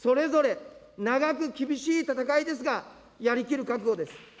それぞれ長く厳しい闘いですが、やりきる覚悟です。